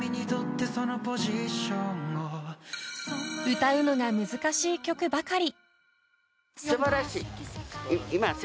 歌うのが難しい曲ばかり。